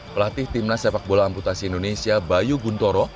pelatih timnas sepak bola amputasi indonesia bayu guntoro